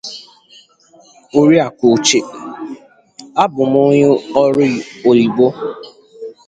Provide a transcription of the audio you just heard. Oriakụ Uche: Abụ m onye ọrụ oyibo